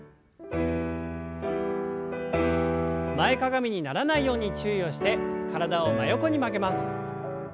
前かがみにならないように注意をして体を真横に曲げます。